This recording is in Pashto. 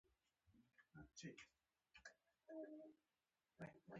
د افغانستان د اقتصادي پرمختګ لپاره پکار ده چې هوايي ډګرونه وي.